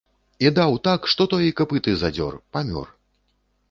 І даў так, што той і капыты задзёр, памёр.